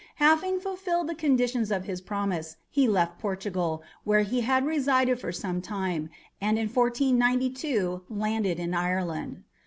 Having fulfilled the conditions of his promise, he left Portugal, where he had resided for some time, and in 1492 landed in Ireland.